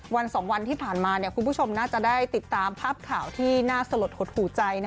วัน๒วันที่ผ่านมาคุณผู้ชมน่าจะได้ติดตามภาพข่าวที่น่าสลดหดหูใจ